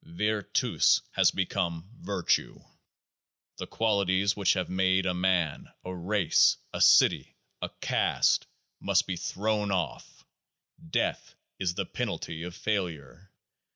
Vir tus has become " virture." The qualities which have made a man, a race, a city, a caste, must be thrown off : death is the penalty of failure.